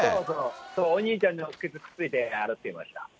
そうそう、お兄ちゃんにくっついて歩いてました。